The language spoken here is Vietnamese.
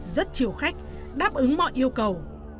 rất chiều khách đáp ứng mọi yêu cầu